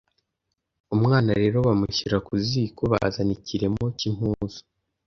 Umwana rero bamushyira ku ziko Bazana ikiremo cy'impuzu,